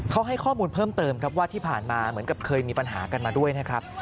เขาให้ข้อมูลเพิ่มเติมครับว่าที่ผ่านมาเหมือนกับเคยมีปัญหากันมาด้วยนะครับ